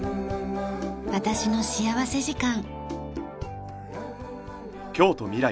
『私の幸福時間』。